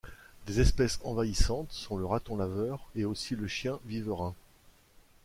Des espèces envahissantes sont le raton laveur et aussi le chien viverrin.